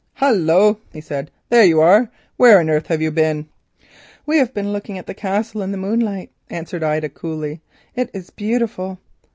"Hullo!" he said, "there you are. Where on earth have you been?" "We have been looking at the Castle in the moonlight," answered Ida coolly. "It is beautiful."